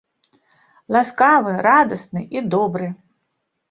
Ласкавы, радасны і добры.